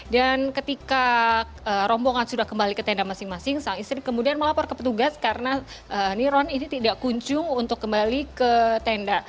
dan ketika rombongan sudah kembali ke tenda masing masing sang istri kemudian melapor ke petugas karena niron ini tidak kunjung untuk kembali ke tenda